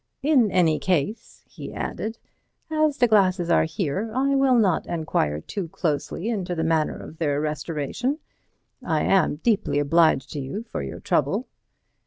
In any case," he added, "as the glasses are here, I will not enquire too closely into the manner of their restoration. I am deeply obliged to you for your trouble."